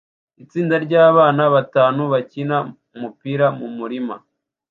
Itsinda ryabana batanu bakina umupira mumurima